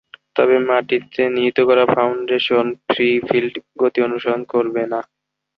তবে মাটিতে নিহিত করা ফাউন্ডেশন ফ্রি-ফিল্ড গতি অনুসরণ করবে না।